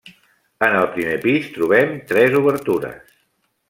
En el primer pis trobem tres obertures.